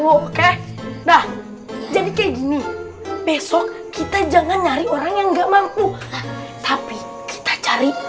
wow kayak nah jadi kayak gini besok kita jangan nyari orang yang gak mampu tapi kita cari